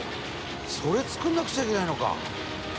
それ作んなくちゃいけないのか。